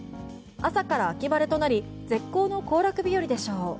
朝から秋晴れとなり絶好の行楽日和でしょう。